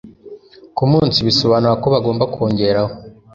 ku munsi bisobanura ko bagomba kongeraho